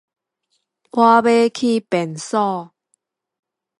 我欲去買物